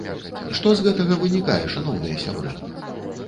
Што з гэтага вынікае, шаноўныя сябры?